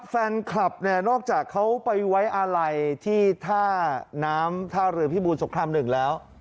แฟนคลับเนี่ยนอกจากเขาไปไว้อาลัยที่ท่าน้ำท่าเรือพิบูรสงคราม๑แล้ว